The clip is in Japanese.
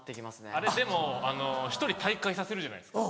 あれでも１人退会させるじゃないですか。